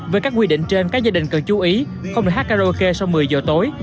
với các quy định trên các gia đình cần chú ý không được hát karaoke sau một mươi giờ tối